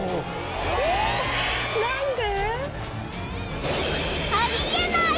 ・何で？